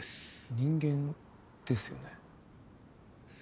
人間ですよね？